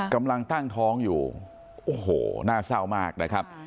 กำลังตั้งท้องอยู่โอ้โหน่าเศร้ามากนะครับ